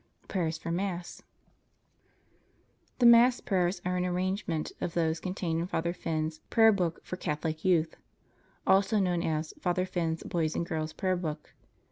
PRAYERS FOR MASS [The Mass prayers are an arrangement of those contained in Father Finn's "Prayer Book for Catholic Youth" (also known as Father Finn's Boys' and Girls' Prayer Book).